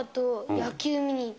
野球見に行った？